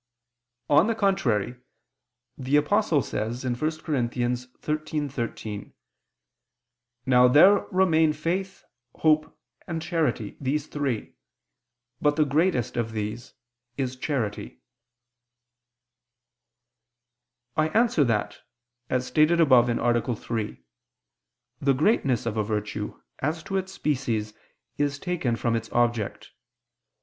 On the contrary, The Apostle says (1 Cor. 13:13): "Now there remain faith, hope, charity, these three; but the greatest of these is charity." I answer that, As stated above (A. 3), the greatness of a virtue, as to its species, is taken from its object.